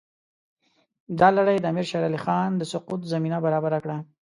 دا لړۍ د امیر شېر علي خان د سقوط زمینه برابره کړه.